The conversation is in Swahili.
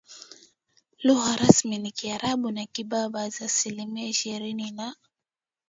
Lugha rasmi ni Kiarabu na Kiberbers asilimia ishirini na